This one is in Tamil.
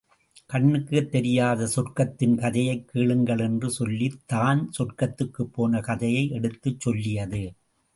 கண்ணுக்குத் தெரியாத சொர்க்கத்தின் கதையைக் கேளுங்கள் என்று சொல்லித் தான் சொர்க்கத்துக்குப்போன கதையை எடுத்துச் சொல்லியது.